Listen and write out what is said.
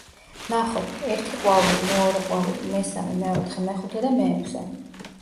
ვნახოთ: ერთი ყვავილი, მეორე ყვავილი, მესამე, მეოთხე, მეხუთე და მეექვსე.